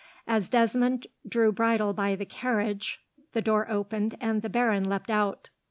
As Desmond drew bridle by the carriage, the door opened, and the baron leapt out.